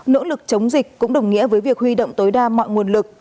nỗ lực chống dịch cũng đồng nghĩa với việc huy động tối đa mọi nguồn lực